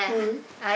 はい。